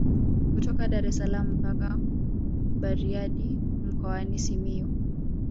Kutoka Daressalaam mpaka Bariadi mkoani Simiyu